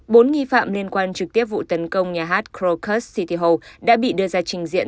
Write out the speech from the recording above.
bốn nghi phạm liên quan trực tiếp vụ tấn công nhà hát krokus city hall đã bị đưa ra trình diện